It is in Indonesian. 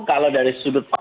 kalau dari sudut